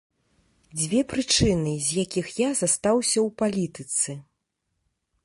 Дзве прычыны, з якіх я застаўся ў палітыцы.